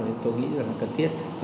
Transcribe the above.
thì tôi nghĩ là nó cần thiết